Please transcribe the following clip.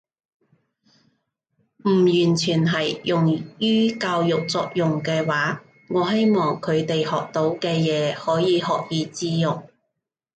唔完全係。用於教育作用嘅話，我希望佢哋學到嘅嘢可以學以致用